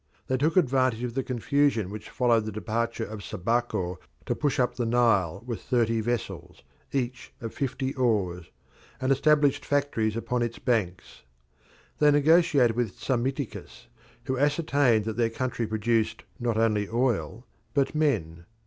They took advantage of the confusion which followed the departure of Sabaco to push up the Nile with thirty vessels, each of fifty oars, and established factories upon its banks. They negotiated with Psammiticus, who ascertained that their country produced not only oil but men.